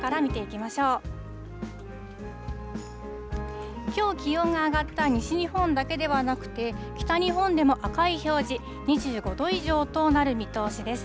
きょう気温が上がった西日本だけではなくて、北日本でも赤い表示、２５度以上となる見通しです。